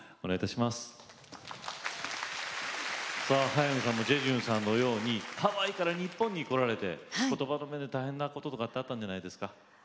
早見さんもジェジュンさんのようにハワイから日本に来られてことばの面で大変なこととかあったんじゃないですか。